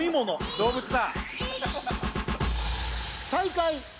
動物だ